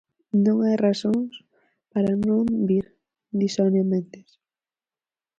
Non hai razóns para non vir, di Sonia Méndez.